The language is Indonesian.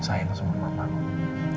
mama sayang sekali sama andi dan reina